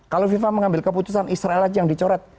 kalau fifa mengambil keputusan israel aja yang dicoret